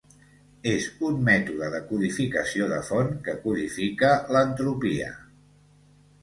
És un mètode de codificació de font que codifica l'entropia.